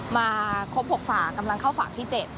มาครบ๖ฝากกำลังเข้าฝั่งที่๗